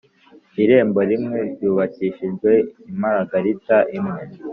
irembo rimwe ryubakishijwe imaragarita imwe,